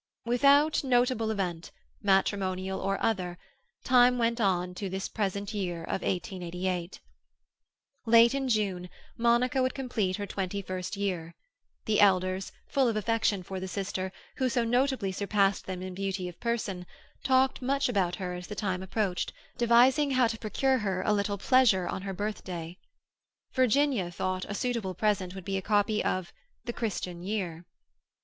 Without notable event, matrimonial or other, time went on to this present year of 1888. Late in June, Monica would complete her twenty first year; the elders, full of affection for the sister, who so notably surpassed them in beauty of person, talked much about her as the time approached, devising how to procure her a little pleasure on her birthday. Virginia thought a suitable present would be a copy of "the Christian Year".